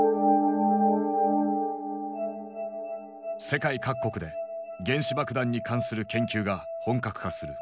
世界各国で原子爆弾に関する研究が本格化する。